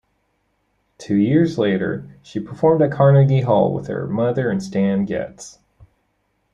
Two years later, she performed at Carnegie Hall with her mother and Stan Getz.